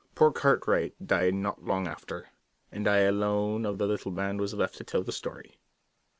Poor Cartwright died not long after, and I alone of the little band was left to tell the story.